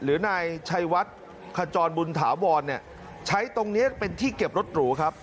หรือนายชัยวัดขจรบุญถาวรเนี่ยใช้ตรงนี้เป็นที่เก็บรถหรูครับ